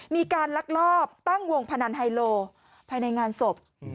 ลักลอบตั้งวงพนันไฮโลภายในงานศพ